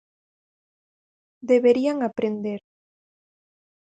Deberían aprender.